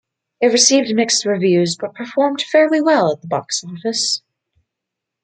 It received mixed reviews, but performed fairly well at the box office.